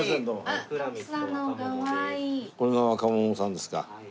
これが若桃さんですか。